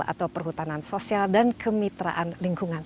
atau perhutanan sosial dan kemitraan lingkungan